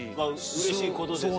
うれしいことですよね。